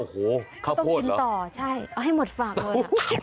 โอ้โหข้าวพวดเหรอต้องกินต่อใช่เอาให้หมดฝักเลย